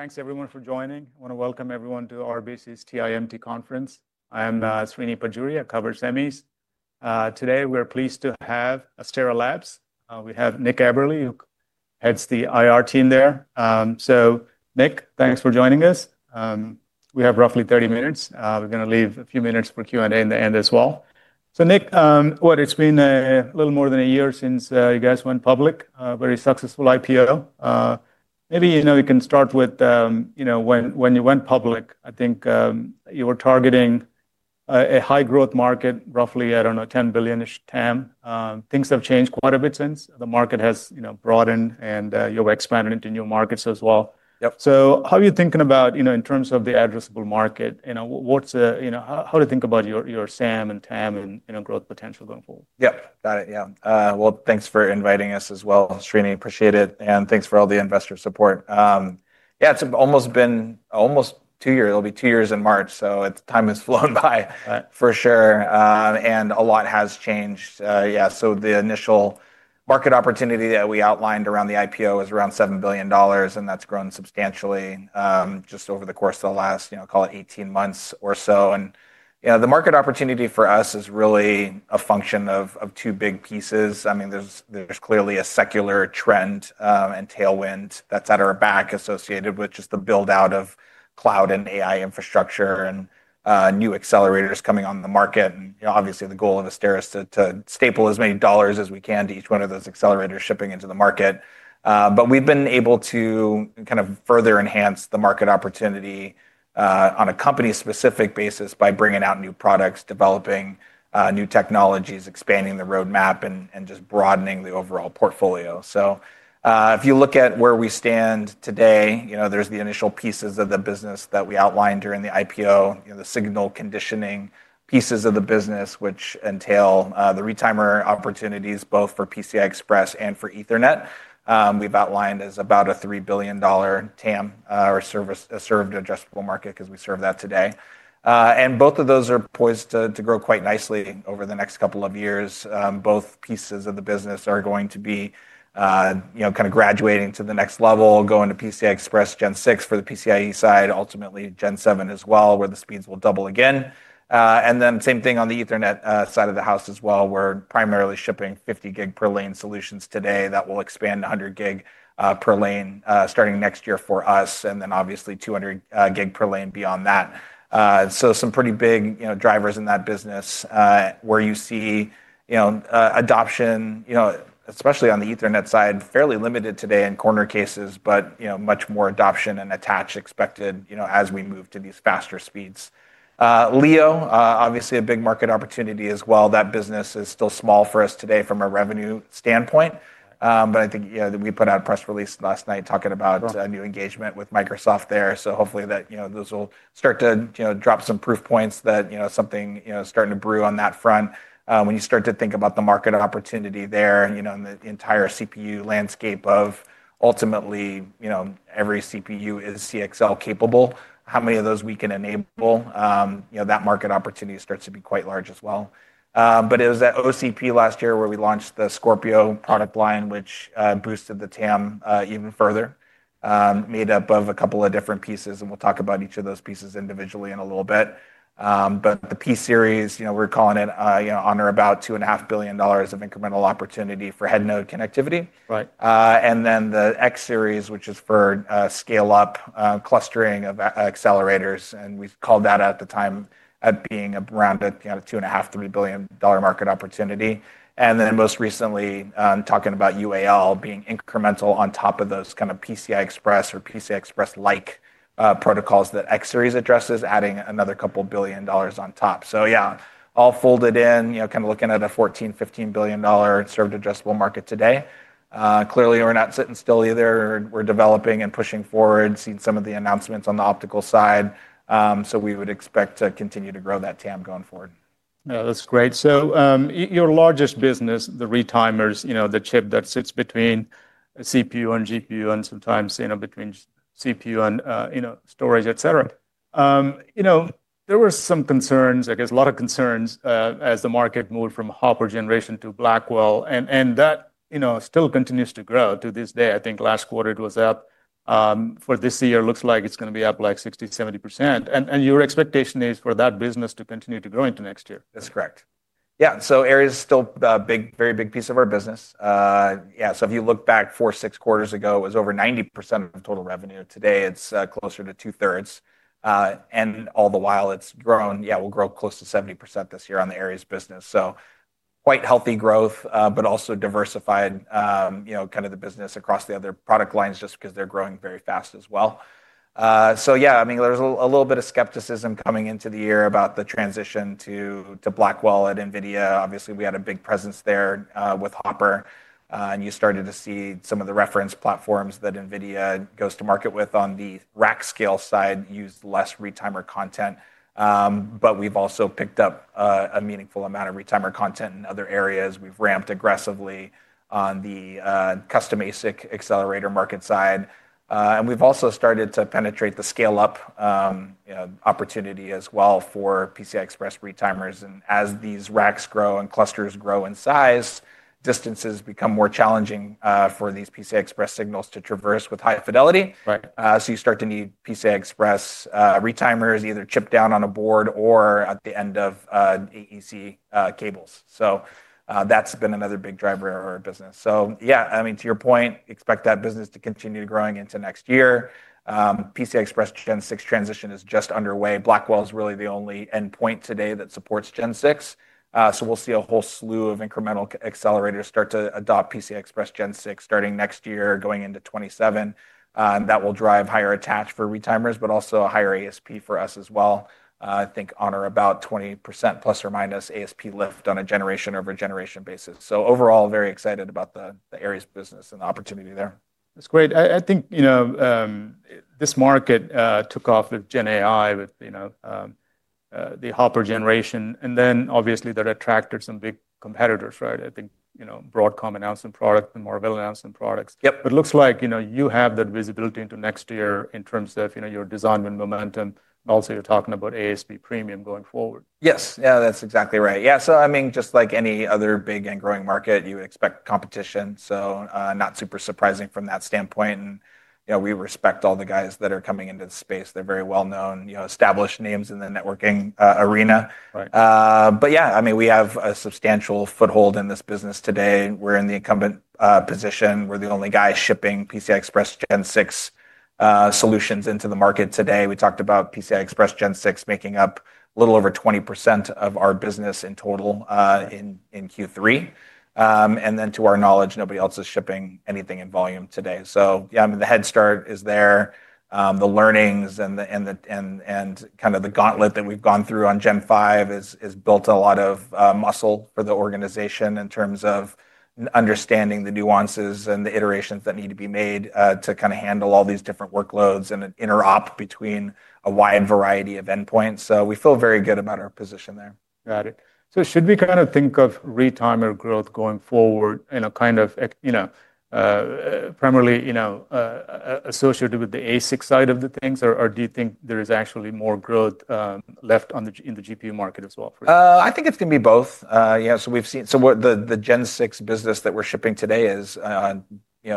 Thanks, everyone, for joining. I want to welcome everyone to RBC's TIMT conference. I am Srini Pajjuri, a Covered Semis. Today, we're pleased to have Astera Labs. We have Nick Aberle, who heads the IR team there. Nick, thanks for joining us. We have roughly 30 minutes. We're going to leave a few minutes for Q&A in the end as well. Nick, what? It's been a little more than a year since you guys went public, a very successful IPO. Maybe, you know, we can start with when you went public. I think you were targeting a high-growth market, roughly, I don't know, $10 billion-ish TAM. Things have changed quite a bit since the market has broadened and you've expanded into new markets as well. How are you thinking about, in terms of the addressable market? What's a, how do you think about your SAM and TAM and growth potential going forward? Yep, got it. Yeah. Thanks for inviting us as well. Srini, appreciate it. Thanks for all the investor support. Yeah, it's almost been almost two years. It'll be two years in March. Time has flown by, for sure. A lot has changed. Yeah. The initial market opportunity that we outlined around the IPO was around $7 billion, and that's grown substantially just over the course of the last, call it, 18 months or so. The market opportunity for us is really a function of two big pieces. I mean, there's clearly a secular trend and tailwind that's at our back associated with just the build-out of cloud and AI infrastructure and new accelerators coming on the market. Obviously, the goal of Astera is to staple as many dollars as we can to each one of those accelerators shipping into the market. We have been able to kind of further enhance the market opportunity on a company-specific basis by bringing out new products, developing new technologies, expanding the roadmap, and just broadening the overall portfolio. If you look at where we stand today, there are the initial pieces of the business that we outlined during the IPO, the signal conditioning pieces of the business, which entail the retimer opportunities both for PCIe and for Ethernet. We have outlined that as about a $3 billion TAM or served addressable market because we serve that today. Both of those are poised to grow quite nicely over the next couple of years. Both pieces of the business are going to be kind of graduating to the next level, going to PCIe Gen 6 for the PCIe side, ultimately Gen 7 as well, where the speeds will double again. The same thing on the Ethernet side of the house as well. We're primarily shipping 50 gig per lane solutions today that will expand to 100 gig per lane starting next year for us, and then obviously 200 gig per lane beyond that. Some pretty big drivers in that business where you see adoption, especially on the Ethernet side, fairly limited today in corner cases, but much more adoption and attach expected as we move to these faster speeds. Leo, obviously a big market opportunity as well. That business is still small for us today from a revenue standpoint. I think we put out a press release last night talking about a new engagement with Microsoft there. Hopefully those will start to drop some proof points that something is starting to brew on that front. When you start to think about the market opportunity there in the entire CPU landscape of ultimately every CPU is CXL capable, how many of those we can enable, that market opportunity starts to be quite large as well. It was at OCP last year where we launched the Scorpio product line, which boosted the TAM even further, made up of a couple of different pieces. We will talk about each of those pieces individually in a little bit. The P series, we are calling it on or about $2.5 billion of incremental opportunity for head node connectivity. The X series, which is for scale-up clustering of accelerators, we called that at the time at being around a $2.5 milllion-$3 billion market opportunity. Most recently, talking about UA Link being incremental on top of those kind of PCIe or PCIe-like protocols that X Series addresses, adding another couple of billion dollars on top. Yeah, all folded in, kind of looking at a $14 billion-$15 billion served addressable market today. Clearly, we're not sitting still either. We're developing and pushing forward, seeing some of the announcements on the optical side. We would expect to continue to grow that TAM going forward. That's great. Your largest business, the retimers, the chip that sits between CPU and GPU and sometimes between CPU and storage, et cetera, there were some concerns, I guess, a lot of concerns as the market moved from Hopper generation to Blackwell. That still continues to grow to this day. I think last quarter it was up. For this year, it looks like it's going to be up 60%-70%. Your expectation is for that business to continue to grow into next year. That's correct. Yeah. Aries is still a very big piece of our business. Yeah. If you look back four, six quarters ago, it was over 90% of total revenue. Today, it's closer to two-thirds. All the while it's grown, yeah, we'll grow close to 70% this year on the Aries business. Quite healthy growth, but also diversified kind of the business across the other product lines just because they're growing very fast as well. Yeah, I mean, there was a little bit of skepticism coming into the year about the transition to Blackwell at NVIDIA. Obviously, we had a big presence there with Hopper. You started to see some of the reference platforms that NVIDIA goes to market with on the rack scale side use less retimer content. We've also picked up a meaningful amount of retimer content in other areas. We've ramped aggressively on the custom ASIC accelerator market side. We've also started to penetrate the scale-up opportunity as well for PCIe retimers. As these racks grow and clusters grow in size, distances become more challenging for these PCIe signals to traverse with high fidelity. You start to need PCIe retimers either chipped down on a board or at the end of AEC cables. That's been another big driver of our business. Yeah, I mean, to your point, expect that business to continue growing into next year. PCIe Gen 6 transition is just underway. Blackwell is really the only endpoint today that supports Gen 6. We'll see a whole slew of incremental accelerators start to adopt PCIe Gen 6 starting next year, going into 2027. That will drive higher attach for retimers, but also a higher ASP for us as well. I think on or about 20%+- ASP lift on a generation-over-generation basis. Overall, very excited about the Aries business and the opportunity there. That's great. I think this market took off with Gen AI, with the Hopper generation. Obviously that attracted some big competitors, right? I think Broadcom announced some products and Marvell announced some products. It looks like you have that visibility into next year in terms of your design and momentum. Also, you're talking about ASP premium going forward. Yes. Yeah, that's exactly right. Yeah. I mean, just like any other big and growing market, you would expect competition. Not super surprising from that standpoint. We respect all the guys that are coming into the space. They're very well-known, established names in the networking arena. Yeah, I mean, we have a substantial foothold in this business today. We're in the incumbent position. We're the only guy shipping PCIe Gen 6 solutions into the market today. We talked about PCIe Gen 6 making up a little over 20% of our business in total in Q3. To our knowledge, nobody else is shipping anything in volume today. Yeah, I mean, the head start is there. The learnings and kind of the gauntlet that we've gone through on Gen 5 has built a lot of muscle for the organization in terms of understanding the nuances and the iterations that need to be made to kind of handle all these different workloads and interop between a wide variety of endpoints. We feel very good about our position there. Got it. Should we kind of think of retimer growth going forward kind of primarily associated with the ASIC side of things, or do you think there is actually more growth left in the GPU market as well for you? I think it's going to be both. Yeah. The Gen 6 business that we're shipping today is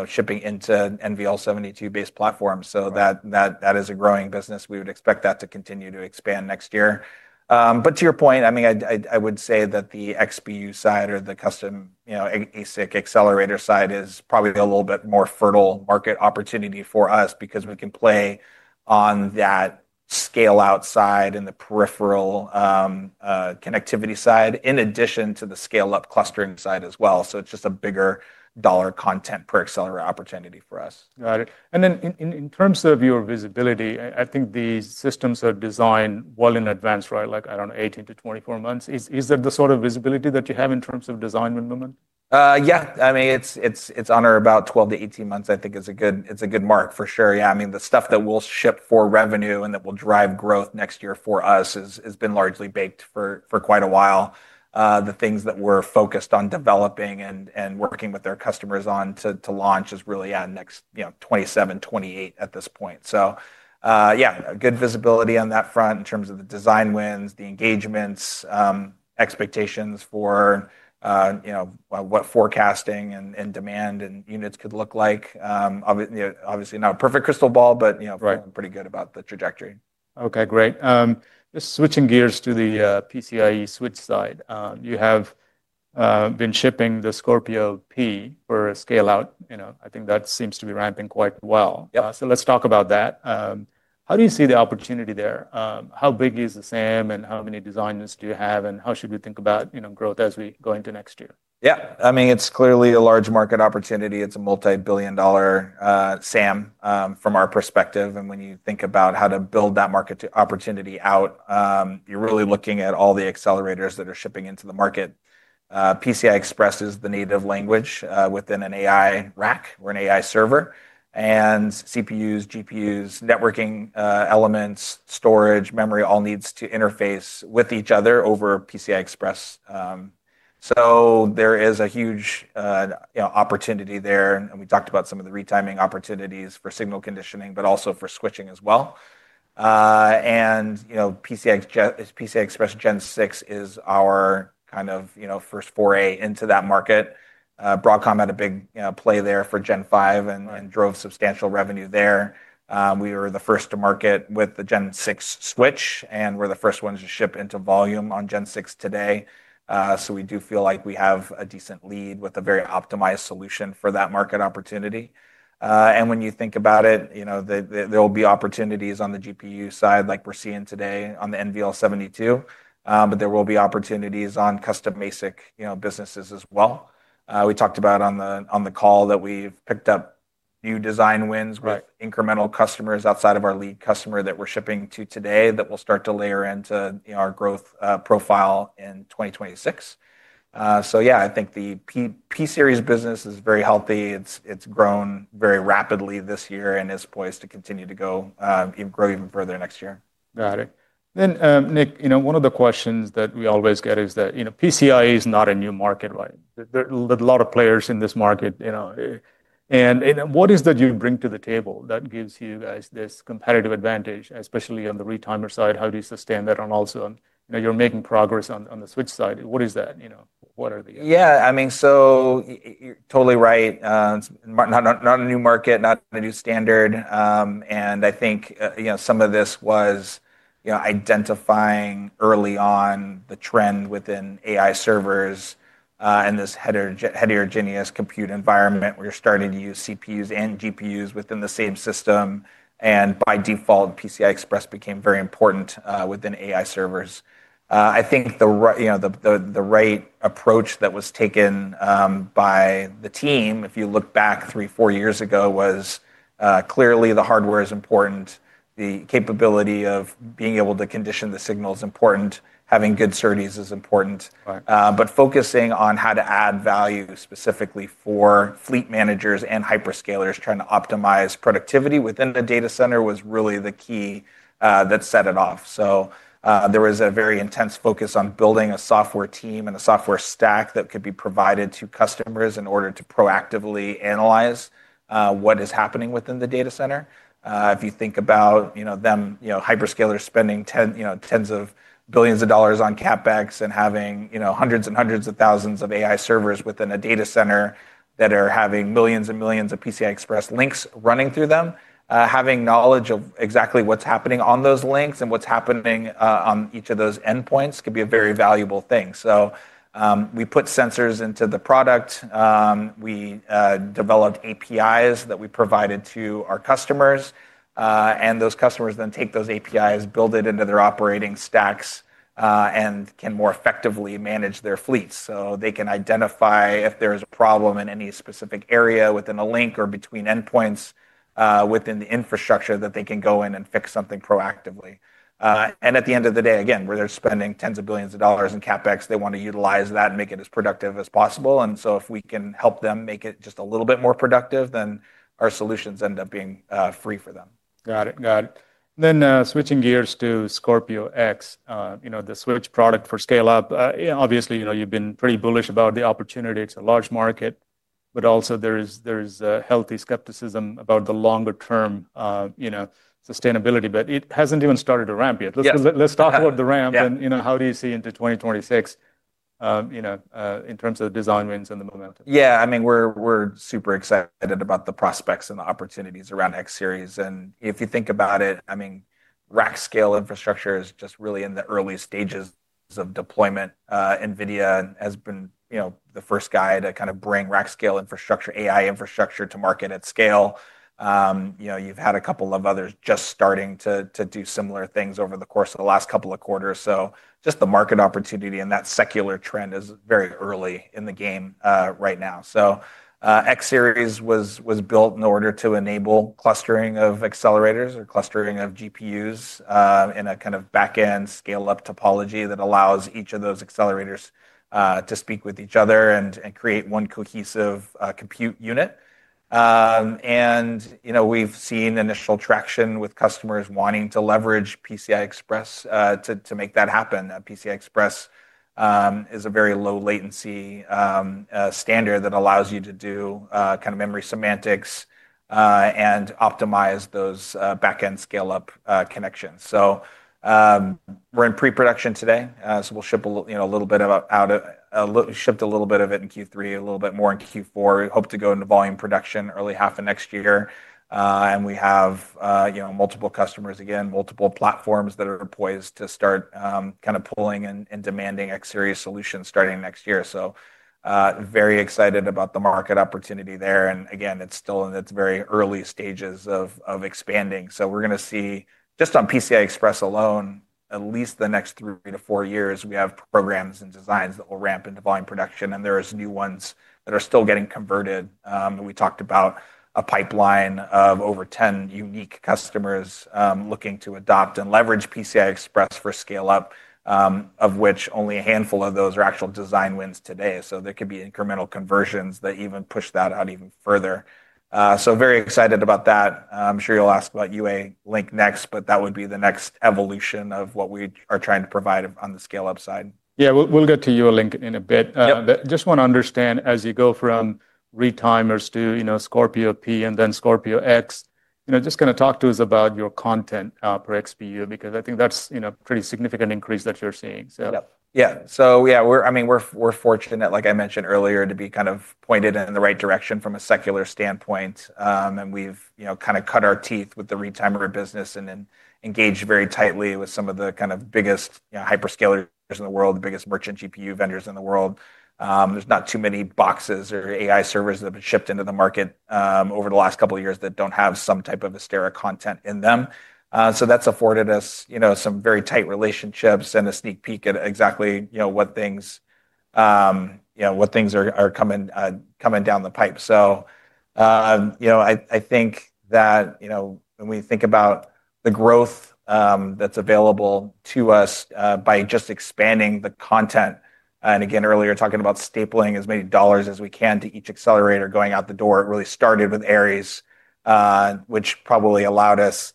shipping into NVL72-based platforms. That is a growing business. We would expect that to continue to expand next year. To your point, I mean, I would say that the XPU side or the custom ASIC accelerator side is probably a little bit more fertile market opportunity for us because we can play on that scale-out side and the peripheral connectivity side in addition to the scale-up clustering side as well. It's just a bigger dollar content per accelerator opportunity for us. Got it. In terms of your visibility, I think these systems are designed well in advance, right, like I don't know, 18-24 months. Is that the sort of visibility that you have in terms of design and movement? Yeah. I mean, it's on or about 12-18 months, I think, is a good mark for sure. Yeah. I mean, the stuff that we'll ship for revenue and that will drive growth next year for us has been largely baked for quite a while. The things that we're focused on developing and working with our customers on to launch is really at next 2027, 2028 at this point. Yeah, good visibility on that front in terms of the design wins, the engagements, expectations for what forecasting and demand and units could look like. Obviously, not a perfect crystal ball, but feeling pretty good about the trajectory. Okay, great. Just switching gears to the PCIe switch side. You have been shipping the Scorpio P for a scale-out. I think that seems to be ramping quite well. Let's talk about that. How do you see the opportunity there? How big is the SAM and how many designers do you have? How should we think about growth as we go into next year? Yeah. I mean, it's clearly a large market opportunity. It's a multi-billion dollar SAM from our perspective. When you think about how to build that market opportunity out, you're really looking at all the accelerators that are shipping into the market. PCI Express is the native language within an AI rack or an AI server. CPUs, GPUs, networking elements, storage, memory all need to interface with each other over PCI Express. There is a huge opportunity there. We talked about some of the retiming opportunities for signal conditioning, but also for switching as well. PCI Express Gen 6 is our kind of first foray into that market. Broadcom had a big play there for Gen 5 and drove substantial revenue there. We were the first to market with the Gen 6 switch, and we're the first ones to ship into volume on Gen 6 today. We do feel like we have a decent lead with a very optimized solution for that market opportunity. When you think about it, there will be opportunities on the GPU side like we're seeing today on the NVL72. There will be opportunities on custom ASIC businesses as well. We talked about on the call that we've picked up new design wins with incremental customers outside of our lead customer that we're shipping to today that will start to layer into our growth profile in 2026. Yeah, I think the P Series business is very healthy. It's grown very rapidly this year and is poised to continue to grow even further next year. Got it. Nick, one of the questions that we always get is that PCIe is not a new market, right? There are a lot of players in this market. What is it that you bring to the table that gives you guys this competitive advantage, especially on the retimer side? How do you sustain that? You are making progress on the switch side. What is that? What are the... Yeah. I mean, you're totally right. Not a new market, not a new standard. I think some of this was identifying early on the trend within AI servers and this heterogeneous compute environment where you're starting to use CPUs and GPUs within the same system. By default, PCI Express became very important within AI servers. I think the right approach that was taken by the team, if you look back three, four years ago, was clearly the hardware is important. The capability of being able to condition the signal is important. Having good SerDes is important. Focusing on how to add value specifically for fleet managers and hyperscalers trying to optimize productivity within the data center was really the key that set it off. There was a very intense focus on building a software team and a software stack that could be provided to customers in order to proactively analyze what is happening within the data center. If you think about them, hyperscalers spending tens of billions of dollars on CapEx and having hundreds and hundreds of thousands of AI servers within a data center that are having millions and millions of PCIe links running through them, having knowledge of exactly what's happening on those links and what's happening on each of those endpoints could be a very valuable thing. We put sensors into the product. We developed APIs that we provided to our customers. Those customers then take those APIs, build it into their operating stacks, and can more effectively manage their fleets. They can identify if there is a problem in any specific area within a link or between endpoints within the infrastructure that they can go in and fix something proactively. At the end of the day, again, where they're spending tens of billions of dollars in CapEx, they want to utilize that and make it as productive as possible. If we can help them make it just a little bit more productive, then our solutions end up being free for them. Got it. Got it. Switching gears to Scorpio X, the switch product for scale-up, obviously you've been pretty bullish about the opportunity. It's a large market, but also there is healthy skepticism about the longer-term sustainability, but it hasn't even started to ramp yet. Let's talk about the ramp and how do you see into 2026 in terms of design wins and the momentum. Yeah. I mean, we're super excited about the prospects and the opportunities around X Series. And if you think about it, I mean, rack scale infrastructure is just really in the early stages of deployment. NVIDIA has been the first guy to kind of bring rack scale infrastructure, AI infrastructure to market at scale. You've had a couple of others just starting to do similar things over the course of the last couple of quarters. Just the market opportunity and that secular trend is very early in the game right now. X Series was built in order to enable clustering of accelerators or clustering of GPUs in a kind of back-end scale-up topology that allows each of those accelerators to speak with each other and create one cohesive compute unit. We've seen initial traction with customers wanting to leverage PCIe to make that happen. PCI Express is a very low-latency standard that allows you to do kind of memory semantics and optimize those back-end scale-up connections. We are in pre-production today. We shipped a little bit of it in Q3, a little bit more in Q4. We hope to go into volume production early half of next year. We have multiple customers, again, multiple platforms that are poised to start kind of pulling and demanding X series solutions starting next year. Very excited about the market opportunity there. It is still in its very early stages of expanding. We are going to see just on PCI Express alone, at least the next three to four years, we have programs and designs that will ramp into volume production. There are new ones that are still getting converted. We talked about a pipeline of over 10 unique customers looking to adopt and leverage PCIe for scale-up, of which only a handful of those are actual design wins today. There could be incremental conversions that even push that out even further. Very excited about that. I'm sure you'll ask about UA Link next, but that would be the next evolution of what we are trying to provide on the scale-up side. Yeah, we'll get to UA Link in a bit. Just want to understand as you go from retimers to Scorpio P and then Scorpio X, just going to talk to us about your content per XPU because I think that's a pretty significant increase that you're seeing. Yeah. So yeah, I mean, we're fortunate, like I mentioned earlier, to be kind of pointed in the right direction from a secular standpoint. And we've kind of cut our teeth with the retimer business and engaged very tightly with some of the kind of biggest hyperscalers in the world, the biggest merchant GPU vendors in the world. There's not too many boxes or AI servers that have been shipped into the market over the last couple of years that don't have some type of Astera content in them. So that's afforded us some very tight relationships and a sneak peek at exactly what things are coming down the pipe. I think that when we think about the growth that's available to us by just expanding the content. Earlier, talking about stapling as many dollars as we can to each accelerator going out the door, it really started with Aries, which probably allowed us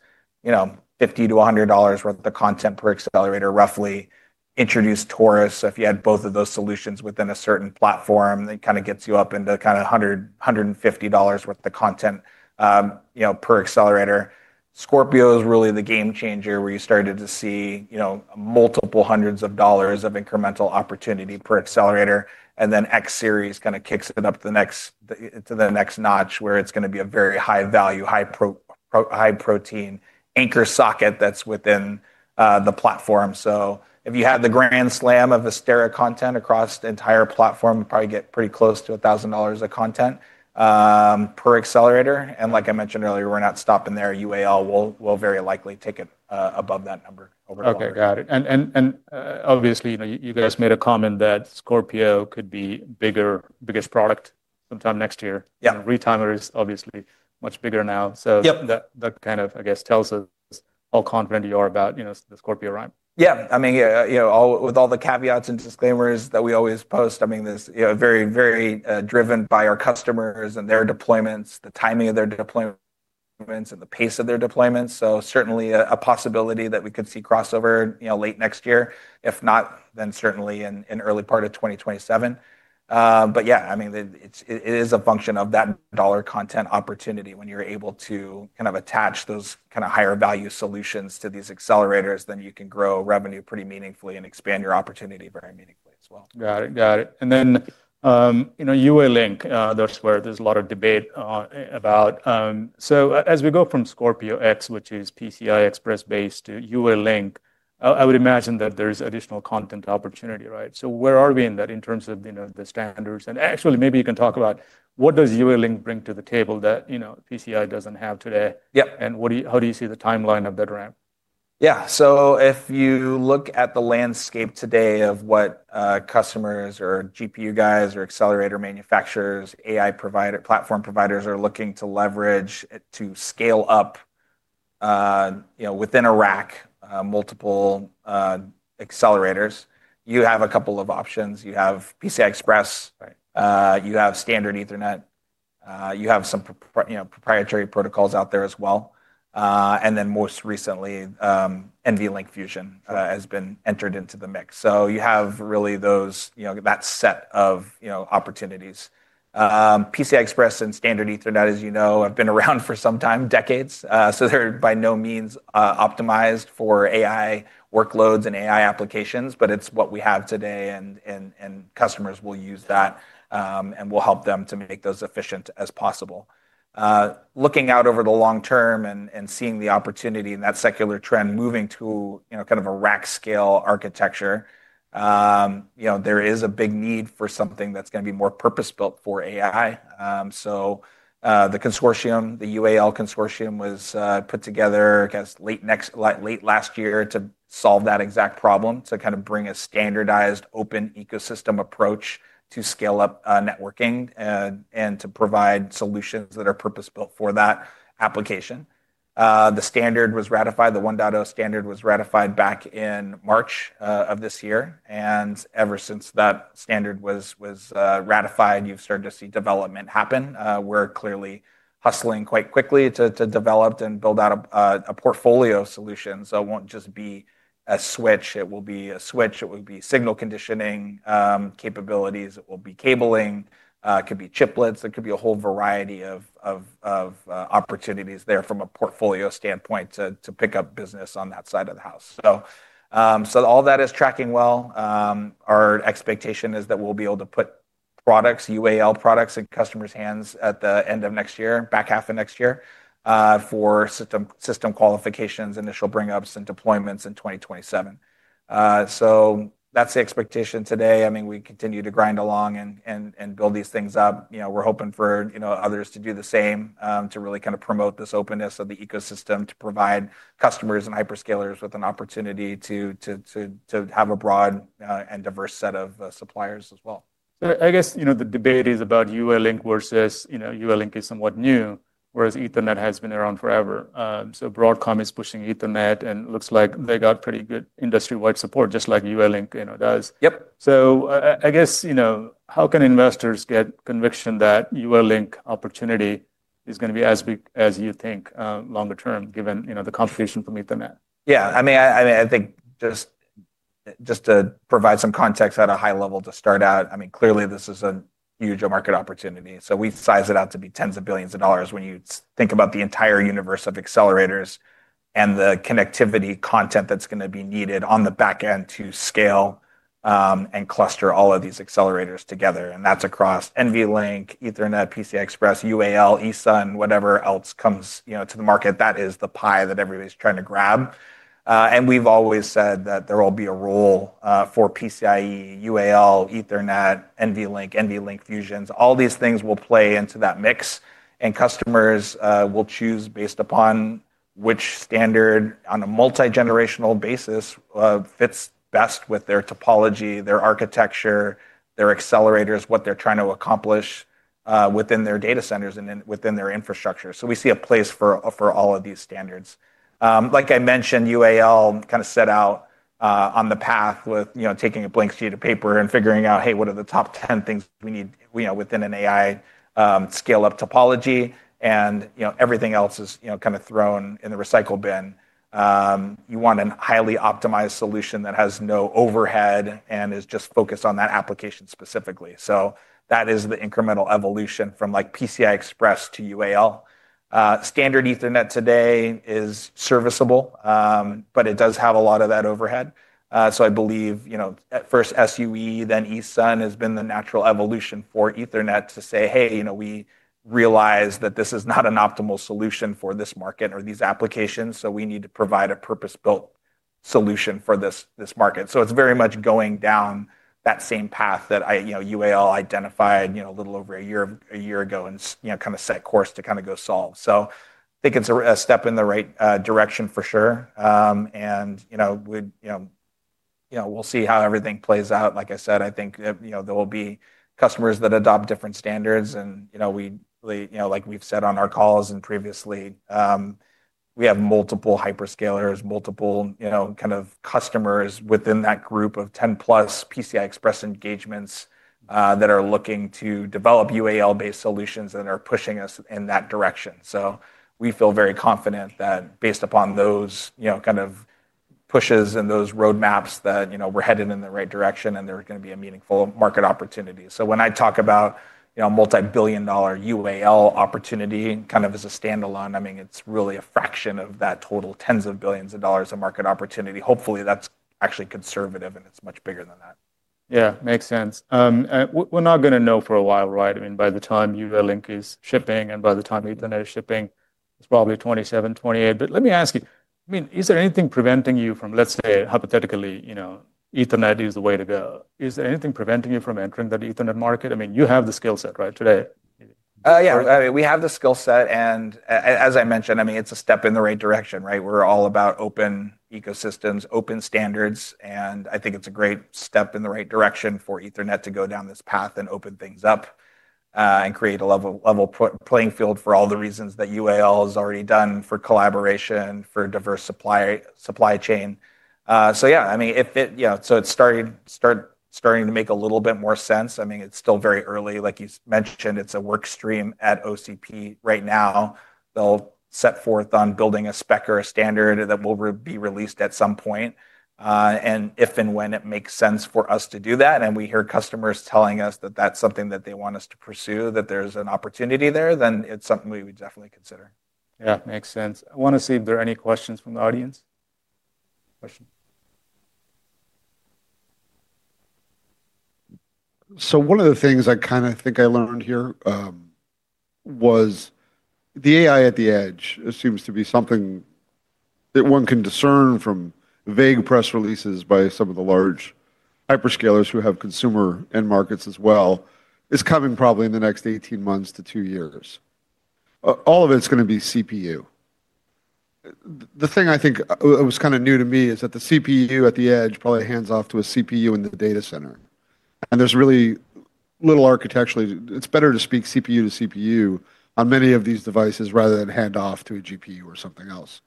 $50-$100 worth of content per accelerator. Roughly introduced Taurus, so if you had both of those solutions within a certain platform, it kind of gets you up into $100-$150 worth of content per accelerator. Scorpio is really the game changer where you started to see multiple hundreds of dollars of incremental opportunity per accelerator. X Series kind of kicks it up to the next notch where it is going to be a very high-value, high-protein anchor socket that is within the platform. If you have the grand slam of Astera content across the entire platform, you probably get pretty close to $1,000 of content per accelerator. Like I mentioned earlier, we are not stopping there. Link will very likely take it above that number overall. Okay, got it. Obviously, you guys made a comment that Scorpio could be bigger, biggest product sometime next year. Retimer is obviously much bigger now. That kind of, I guess, tells us how confident you are about the Scorpio ramp. Yeah. I mean, with all the caveats and disclaimers that we always post, I mean, this is very, very driven by our customers and their deployments, the timing of their deployments, and the pace of their deployments. Certainly a possibility that we could see crossover late next year. If not, then certainly in early part of 2027. Yeah, I mean, it is a function of that dollar content opportunity. When you're able to kind of attach those kind of higher-value solutions to these accelerators, then you can grow revenue pretty meaningfully and expand your opportunity very meaningfully as well. Got it. Got it. UA Link, that is where there is a lot of debate about. As we go from Scorpio X, which is PCIe-based, to UA Link, I would imagine that there is additional content opportunity, right? Where are we in that in terms of the standards? Actually, maybe you can talk about what does UA Link bring to the table that PCIe does not have today? How do you see the timeline of that ramp? Yeah. If you look at the landscape today of what customers or GPU guys or accelerator manufacturers, AI platform providers are looking to leverage to scale up within a rack, multiple accelerators, you have a couple of options. You have PCI Express. You have standard Ethernet. You have some proprietary protocols out there as well. Most recently, NVLink Fusion has been entered into the mix. You have really that set of opportunities. PCI Express and standard Ethernet, as you know, have been around for some time, decades. They are by no means optimized for AI workloads and AI applications, but it is what we have today. Customers will use that and will help them to make those efficient as possible. Looking out over the long term and seeing the opportunity in that secular trend moving to kind of a rack scale architecture, there is a big need for something that's going to be more purpose-built for AI. The consortium, the UA Link consortium, was put together late last year to solve that exact problem, to kind of bring a standardized open ecosystem approach to scale-up networking and to provide solutions that are purpose-built for that application. The standard was ratified. The 1.0 standard was ratified back in March of this year. Ever since that standard was ratified, you've started to see development happen. We're clearly hustling quite quickly to develop and build out a portfolio of solutions. It won't just be a switch. It will be a switch. It will be signal conditioning capabilities. It will be cabling. It could be chiplets. There could be a whole variety of opportunities there from a portfolio standpoint to pick up business on that side of the house. All that is tracking well. Our expectation is that we'll be able to put products, UA Link products in customers' hands at the end of next year, back half of next year for system qualifications, initial bring-ups, and deployments in 2027. That is the expectation today. I mean, we continue to grind along and build these things up. We're hoping for others to do the same to really kind of promote this openness of the ecosystem to provide customers and hyperscalers with an opportunity to have a broad and diverse set of suppliers as well. I guess the debate is about UA Link versus UA Link is somewhat new, whereas Ethernet has been around forever. Broadcom is pushing Ethernet and looks like they got pretty good industry-wide support, just like UA Link does. I guess how can investors get conviction that UA Link opportunity is going to be as big as you think longer term, given the complication from Ethernet? Yeah. I mean, I think just to provide some context at a high level to start out, I mean, clearly this is a huge market opportunity. We size it out to be tens of billions of dollars when you think about the entire universe of accelerators and the connectivity content that's going to be needed on the back end to scale and cluster all of these accelerators together. That is across NVLink, Ethernet, PCIe, UA Link, ESON, whatever else comes to the market. That is the pie that everybody's trying to grab. We've always said that there will be a role for PCIe, UA Link, Ethernet, NVLink, NVLink Fusions. All these things will play into that mix. Customers will choose based upon which standard on a multi-generational basis fits best with their topology, their architecture, their accelerators, what they're trying to accomplish within their data centers and within their infrastructure. We see a place for all of these standards. Like I mentioned, UA Link kind of set out on the path with taking a blank sheet of paper and figuring out, hey, what are the top 10 things we need within an AI scale-up topology? Everything else is kind of thrown in the recycle bin. You want a highly optimized solution that has no overhead and is just focused on that application specifically. That is the incremental evolution from PCIe to UA Link. Standard Ethernet today is serviceable, but it does have a lot of that overhead. I believe at first SUE, then ESON has been the natural evolution for Ethernet to say, hey, we realize that this is not an optimal solution for this market or these applications. We need to provide a purpose-built solution for this market. It is very much going down that same path that UA Link identified a little over a year ago and kind of set course to kind of go solve. I think it is a step in the right direction for sure. We will see how everything plays out. Like I said, I think there will be customers that adopt different standards. Like we have said on our calls previously, we have multiple hyperscalers, multiple kind of customers within that group of 10+ PCIe engagements that are looking to develop UA Link-based solutions that are pushing us in that direction. We feel very confident that based upon those kind of pushes and those roadmaps that we're headed in the right direction and there's going to be a meaningful market opportunity. When I talk about multi-billion dollar UAL opportunity kind of as a standalone, I mean, it's really a fraction of that total tens of billions of dollars of market opportunity. Hopefully, that's actually conservative and it's much bigger than that. Yeah, makes sense. We're not going to know for a while, right? I mean, by the time UA Link is shipping and by the time Ethernet is shipping, it's probably 2027, 2028. Let me ask you, I mean, is there anything preventing you from, let's say, hypothetically, Ethernet is the way to go. Is there anything preventing you from entering that Ethernet market? I mean, you have the skill set, right, today? Yeah. I mean, we have the skill set. And as I mentioned, I mean, it's a step in the right direction, right? We're all about open ecosystems, open standards. I think it's a great step in the right direction for Ethernet to go down this path and open things up and create a level playing field for all the reasons that UA Link has already done for collaboration, for diverse supply chain. Yeah, I mean, it's starting to make a little bit more sense. I mean, it's still very early. Like you mentioned, it's a workstream at OCP right now. They'll set forth on building a spec or a standard that will be released at some point. If and when it makes sense for us to do that, and we hear customers telling us that that's something that they want us to pursue, that there's an opportunity there, then it's something we would definitely consider. Yeah, makes sense. I want to see if there are any questions from the audience. One of the things I kind of think I learned here was the AI at the edge seems to be something that one can discern from vague press releases by some of the large hyperscalers who have consumer end markets as well is coming probably in the next 18 months to two years. All of it is going to be CPU. The thing I think was kind of new to me is that the CPU at the edge probably hands off to a CPU in the data center. There is really little architecturally, it is better to speak CPU to CPU on many of these devices rather than hand off to a GPU or something else.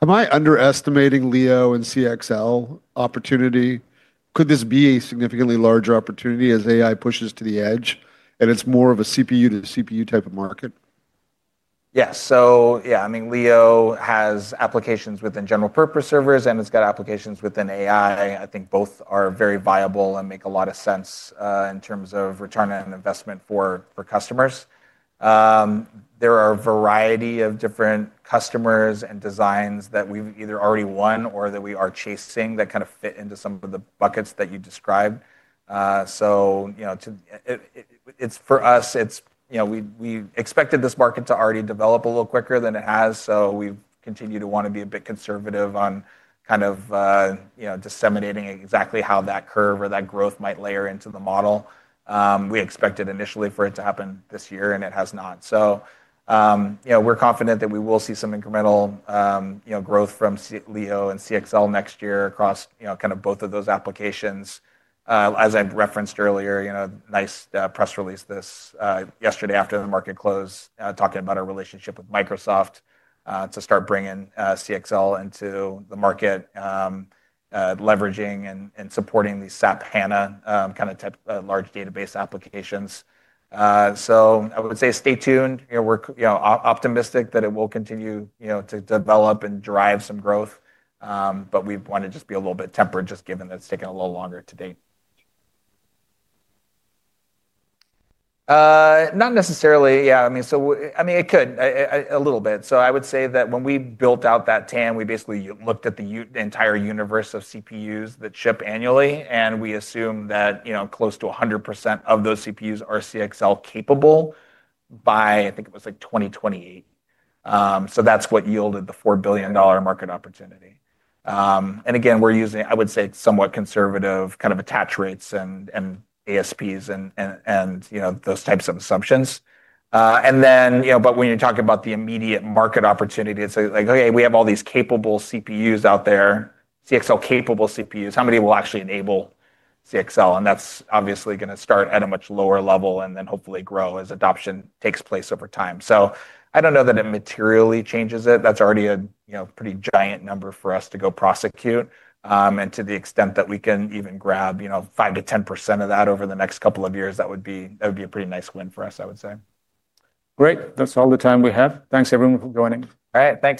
Am I underestimating Leo and CXL opportunity? Could this be a significantly larger opportunity as AI pushes to the edge and it is more of a CPU to CPU type of market? Yes. So yeah, I mean, Leo has applications within general purpose servers and it's got applications within AI. I think both are very viable and make a lot of sense in terms of return on investment for customers. There are a variety of different customers and designs that we've either already won or that we are chasing that kind of fit into some of the buckets that you described. For us, we expected this market to already develop a little quicker than it has. We've continued to want to be a bit conservative on kind of disseminating exactly how that curve or that growth might layer into the model. We expected initially for it to happen this year and it has not. We're confident that we will see some incremental growth from Leo and CXL next year across kind of both of those applications. As I referenced earlier, nice press release yesterday after the market closed talking about our relationship with Microsoft to start bringing CXL into the market, leveraging and supporting the SAP HANA kind of type of large database applications. I would say stay tuned. We're optimistic that it will continue to develop and drive some growth, but we want to just be a little bit tempered just given that it's taken a little longer to date. Not necessarily. Yeah. I mean, it could a little bit. I would say that when we built out that TAM, we basically looked at the entire universe of CPUs that ship annually. We assume that close to 100% of those CPUs are CXL capable by, I think it was like 2028. That's what yielded the $4 billion market opportunity. Again, we're using, I would say, somewhat conservative kind of attach rates and ASPs and those types of assumptions. When you're talking about the immediate market opportunity, it's like, okay, we have all these capable CPUs out there, CXL capable CPUs. How many will actually enable CXL? That's obviously going to start at a much lower level and then hopefully grow as adoption takes place over time. I don't know that it materially changes it. That's already a pretty giant number for us to go prosecute. To the extent that we can even grab 5-10% of that over the next couple of years, that would be a pretty nice win for us, I would say. Great. That's all the time we have. Thanks, everyone, for joining. All right. Thanks.